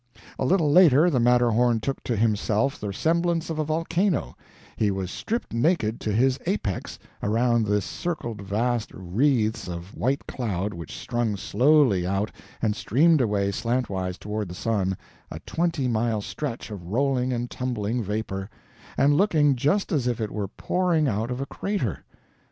A little later the Matterhorn took to himself the semblance of a volcano; he was stripped naked to his apex around this circled vast wreaths of white cloud which strung slowly out and streamed away slantwise toward the sun, a twenty mile stretch of rolling and tumbling vapor, and looking just as if it were pouring out of a crater.